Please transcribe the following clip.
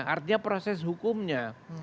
artinya proses hukumnya